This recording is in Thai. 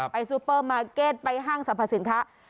ซูเปอร์มาร์เก็ตไปห้างสรรพสินค้า